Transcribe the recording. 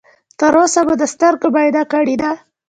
تر اوسه مو د سترګو معاینه کړې ده؟